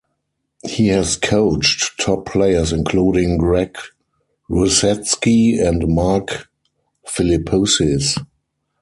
He has coached top players including Greg Rusedski and Mark Philippoussis.